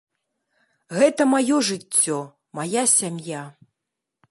Гэта маё жыццё, мая сям'я.